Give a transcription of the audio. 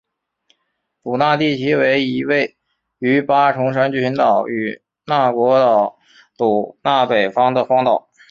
祖纳地崎为一位于八重山群岛与那国岛祖纳北方的荒岛。